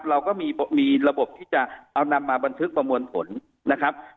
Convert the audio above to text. เราก็มีระบบที่จะเอานำมาบันทึกประมวลผลนะครับ